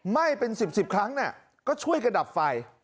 ไหม้เป็น๑๐๑๐ครั้งก็ช่วยกันดับไฟ